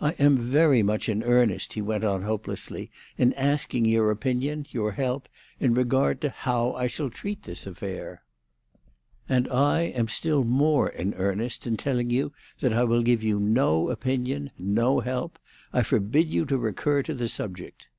"I am very much in earnest," he went on hopelessly, "in asking your opinion, your help, in regard to how I shall treat this affair." "And I am still more in earnest in telling you that I will give you no opinion, no help. I forbid you to recur to the subject."